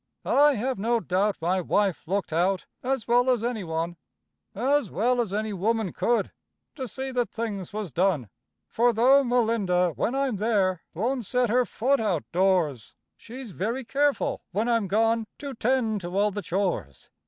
I have no doubt my wife looked out, as well as any one As well as any woman could to see that things was done: For though Melinda, when I'm there, won't set her foot outdoors, She's very careful, when I'm gone, to tend to all the chores.